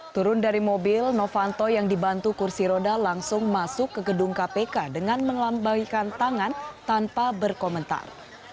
turun dari mobil novanto yang dibantu kursi roda langsung masuk ke gedung kpk dengan melambaikan tangan tanpa berkomentar